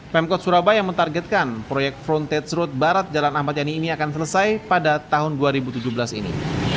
pemkot surabaya mentargetkan proyek frontage road barat jalan ahmad yani ini akan selesai pada tahun dua ribu tujuh belas ini